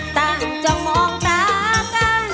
ตามจองมองตากัน